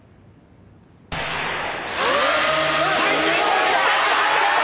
回転してきたきたきた！